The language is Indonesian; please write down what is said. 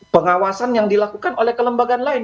pengawasan yang dilakukan oleh kelembagaan lain